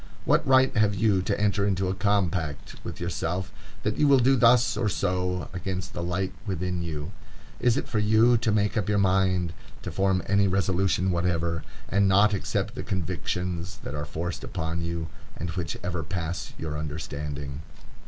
What right have you to enter into a compact with yourself that you will do thus or so, against the light within you? Is it for you to make up your mind,—to form any resolution whatever,—and not accept the convictions that are forced upon you, and which ever pass your understanding?